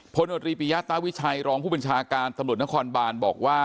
โนตรีปิยาตาวิชัยรองผู้บัญชาการตำรวจนครบานบอกว่า